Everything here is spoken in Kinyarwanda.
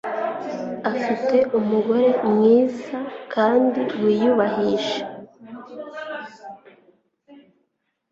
Afite umugore mwiza kandi wiyubahisha